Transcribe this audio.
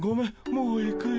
もう行くよ。